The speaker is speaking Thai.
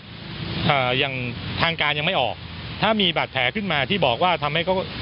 อ่าอย่างทางการยังไม่ออกถ้ามีบาดแผลขึ้นมาที่บอกว่าทำให้เขา